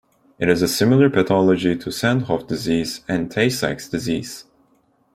It has a similar pathology to Sandhoff disease and Tay-Sachs disease.